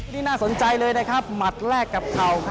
นี้น่าสนใจเลยหมัดแลกกับเข่า